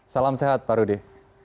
salam sehat pak rudi